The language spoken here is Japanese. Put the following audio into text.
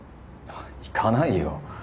行かないよ。